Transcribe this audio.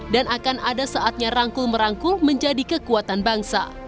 dan akan ada saatnya rangkul merangkul menjadi kekuatan bangsa